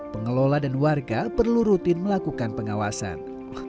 pengelola dan warga perlu rutin melakukan pengawasan